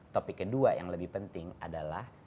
topik kedua yang lebih penting adalah